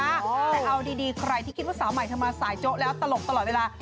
แต่เอาดีใครที่คิดว่าสาวใหม่เธอมาสายโจ๊ะแล้วตลกตลอดเวลา